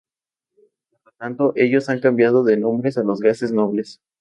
Por lo tanto, ellos han cambiado de nombre a los "gases nobles".